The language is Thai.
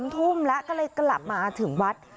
ทุ่มแล้วก็เลยกลับมาถึงวัด